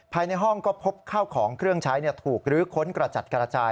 ภายในห้องก็พบข้าวของเครื่องใช้ถูกลื้อค้นกระจัดกระจาย